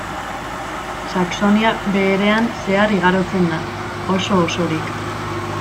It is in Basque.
Saxonia Beherean zehar igarotzen da, oso-osorik.